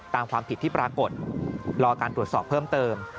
ตามความผิดที่ปรากฏรอการตรวจสอบเพิ่มเติม